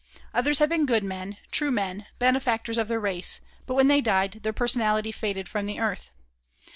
Others have been good men, true men, benefactors of their race, but when they died their personality faded from the earth.